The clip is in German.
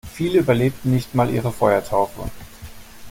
Viele überlebten nicht mal ihre Feuertaufe.